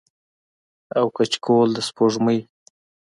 او کچکول د سپوږمۍ